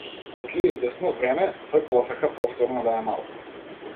После извесно време, тој посака повторно да е мал.